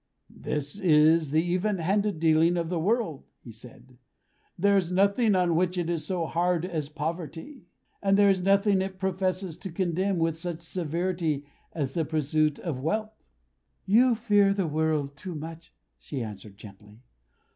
"This is the even handed dealing of the world!" he said. "There is nothing on which it is so hard as poverty; and there is nothing it professes to condemn with such severity as the pursuit of wealth!" "You fear the world too much," she answered, gently.